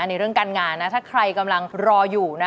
ในเรื่องการงานนะถ้าใครกำลังรออยู่นะ